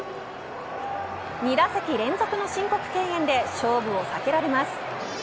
２打席連続の申告敬遠で勝負を避けられます。